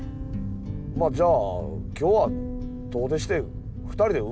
まあじゃあ今日は遠出して２人で海行くか。